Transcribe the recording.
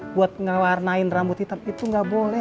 buat ngewarnain rambut hitam itu nggak boleh